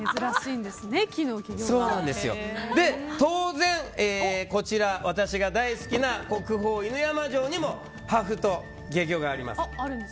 当然、私が大好きな国宝犬山城にも破風と懸魚があります。